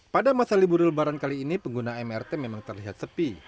pada masa libur lebaran kali ini pengguna mrt memang terlihat sepi